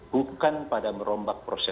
bukan pada merombak proses